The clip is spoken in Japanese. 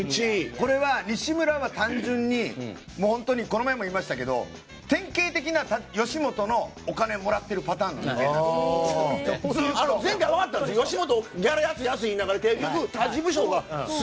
これは、西村は単純に、本当にこの前も言いましたけど典型的な吉本のお金をもらってるパターンの人間なんです。